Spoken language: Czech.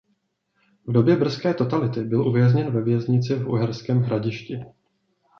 V době brzké totality byl uvězněn ve věznici v Uherském Hradišti.